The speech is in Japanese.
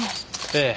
ええ。